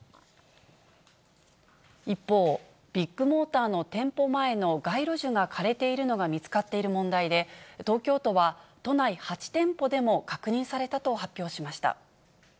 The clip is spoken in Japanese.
一方、ビッグモーターの店舗前の街路樹が枯れているのが見つかっている問題で、東京都は、都内８店舗でも確認されたと発表しました。